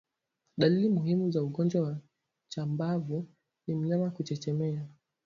Dalili muhimu za ugonjwa wa chambavu ni mnyama kuchechemea